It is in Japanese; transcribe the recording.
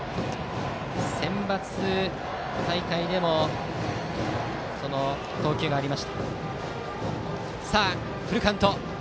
センバツ大会でもその投球がありました。